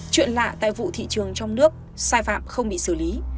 chuyện lạ tại vụ thị trường trong nước sai phạm không bị xử lý